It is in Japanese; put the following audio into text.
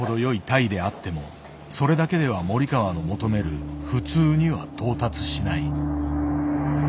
タイであってもそれだけでは森川の求める「普通」には到達しない。